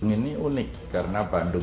ini unik karena bandung